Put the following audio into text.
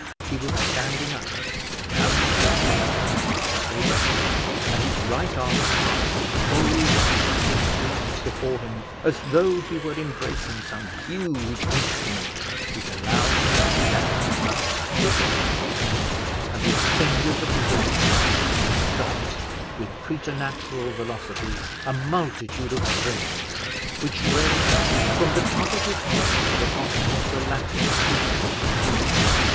He was standing up, gallantly fronting Sir Abraham, and his right arm passed with bold and rapid sweeps before him, as though he were embracing some huge instrument, which allowed him to stand thus erect; and with the fingers of his left hand he stopped, with preternatural velocity, a multitude of strings, which ranged from the top of his collar to the bottom of the lappet of his coat.